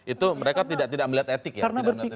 itu mereka tidak melihat etik ya